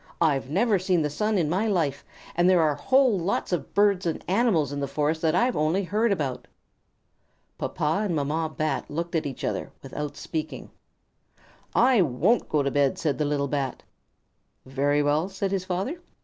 I've never seen the sun in my life, and there are whole lots of birds and animals in the forest that I've only heard about." Papa and Mamma Bat looked at each other without speaking. "I won't go to bed!" said the little Bat. "Very well," said his father.